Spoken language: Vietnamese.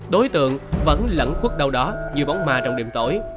đối tượng vẫn lẫn khuất đâu đó như bóng ma trong đêm tối